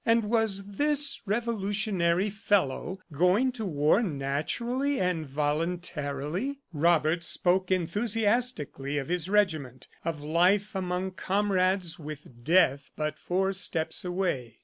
And was this revolutionary fellow going to war naturally and voluntarily? ... Robert spoke enthusiastically of his regiment, of life among comrades with Death but four steps away.